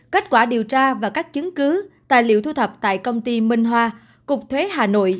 kết quả điều tra và các chứng cứ tài liệu thu thập tại công ty minh hoa cục thuế hà nội